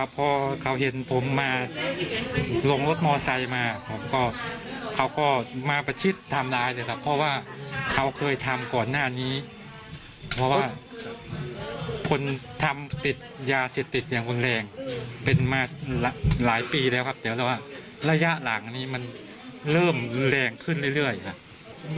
เป็นมาหลายปีแล้วครับแต่ว่าระยะหลังนี้มันเริ่มแรงขึ้นเรื่อยครับ